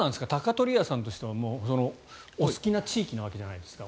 鷹鳥屋さんとしてはお好きな地域なわけじゃないですか。